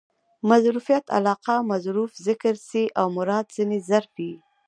مظروفیت علاقه؛ مظروف ذکر سي او مراد ځني ظرف يي.